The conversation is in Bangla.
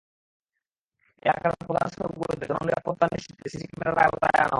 এলাকার প্রধান সড়ক গুলোতে জননিরাপত্তা নিশ্চিতে সিসি ক্যামেরার আওতায় আনা হবে।